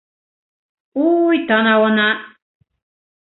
—Уй, танауына!